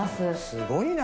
すごいな！